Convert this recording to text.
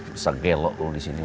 bisa gelo lu disini